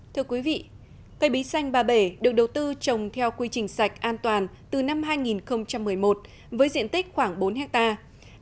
thưa quý vị cây bí xanh ba bể được đầu tư trồng theo quy trình sạch an toàn từ năm hai nghìn một mươi một với diện tích khoảng bốn hectare